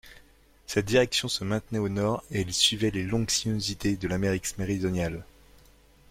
Sa direction se maintenait au nord, et il suivait les longues sinuosités de l'Amérique méridionale.